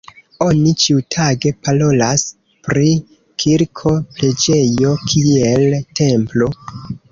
Oni ĉiutage parolas pri kirko, preĝejo kiel templo.